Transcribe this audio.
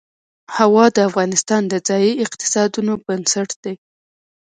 هوا د افغانستان د ځایي اقتصادونو بنسټ دی.